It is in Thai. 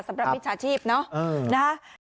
สำหรับวิชาชีพเนอะ